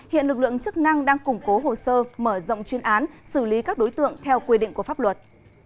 hiện lực lượng chức năng đang củng cố hồ sơ mở rộng chuyên án xử lý các đối tượng theo quy định của pháp luật